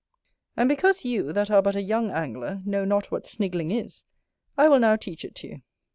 And because you, that are but a young angler, know not what Snigling is I will now teach it to you.